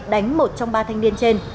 đánh một trong ba thanh niên trên